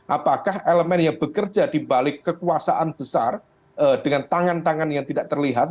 apakah elemen yang bekerja di balik kekuasaan besar dengan tangan tangan yang tidak terlihat